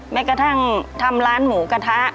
แม้กระทั่งทำร้านหมูกระทะ